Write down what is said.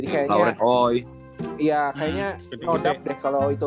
kayaknya oh dap deh kalau itu